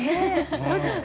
どうですか？